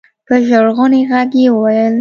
په ژړغوني غږ يې وويل.